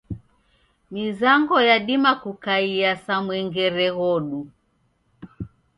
Mizango yadima kukaiya sa mwengere ghodu.